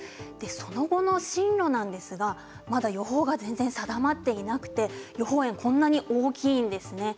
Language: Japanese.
その後の進路は、まだ予報が全然定まっていなくて予報円がこんなに大きいんですね。